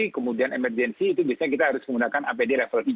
kemudian emergensi itu biasanya kita harus menggunakan apd level tiga